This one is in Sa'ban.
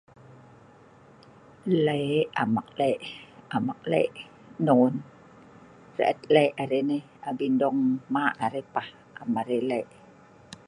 Nlek am ek lek, am ek lek non, reet lek arai pah abin dong hmak arai pah.am arai lek